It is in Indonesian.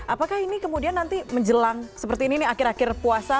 apakah ini kemudian nanti menjelang seperti ini nih akhir akhir puasa